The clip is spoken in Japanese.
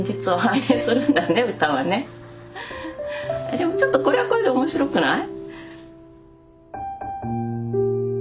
でもちょっとこれはこれで面白くない？